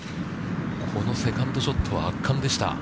このセカンドショットは圧巻でした。